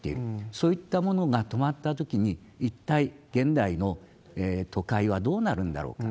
そういったものが止まったときに、一体現代の都会はどうなるんだろうか。